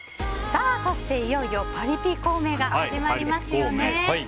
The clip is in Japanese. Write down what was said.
そして、いよいよ「パリピ孔明」が始まりますよね。